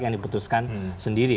yang diputuskan sendiri